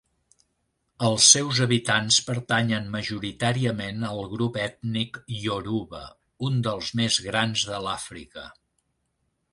Els seus habitants pertanyen majoritàriament al grup ètnic ioruba, un dels més grans de l'Àfrica.